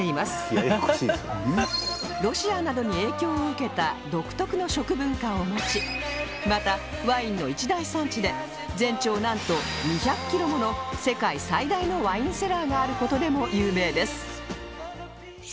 ロシアなどに影響を受けた独特の食文化を持ちまたワインの一大産地で全長なんと２００キロもの世界最大のワインセラーがある事でも有名です